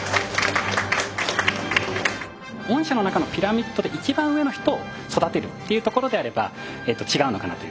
御社の中のピラミッドで一番上の人を育てるっていうところであれば違うのかなという。